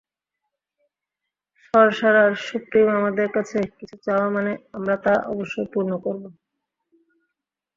সর্সারার সুপ্রিম আমাদের কাছে কিছু চাওয়া মানে আমরা তা অবশ্যই পূর্ণ করব।